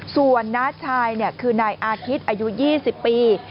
ส่วนน้าชายคือนายอาทิตย์อายุ๒๐ปี